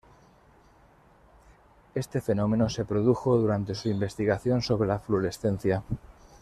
Este fenómeno se produjo durante su investigación sobre la fluorescencia.